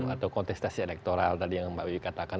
atau kontestasi elektoral tadi yang mbak wiwi katakan